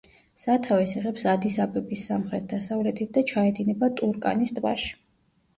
სათავეს იღებს ადის-აბების სამხრეთ-დასავლეთით და ჩაედინება ტურკანის ტბაში.